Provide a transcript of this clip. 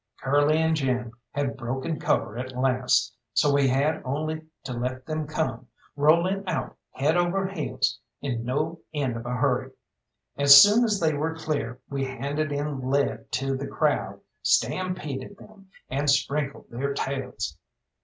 Curly and Jim had broken cover at last, so we had only to let them come, rolling out head over heels in no end of a hurry. As soon as they were clear we handed in lead to the crowd, stampeded them, and sprinkled their tails.